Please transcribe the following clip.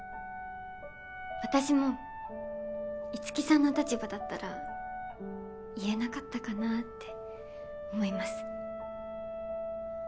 私も樹さんの立場だったら言えなかったかなって思います。